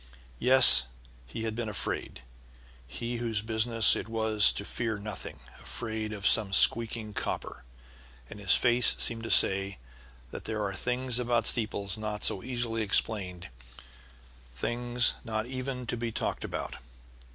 Yes, he had been afraid, he whose business it was to fear nothing, afraid of some squeaking copper, and his face seemed to say that there are things about steeples not so easily explained, things not even to be talked about.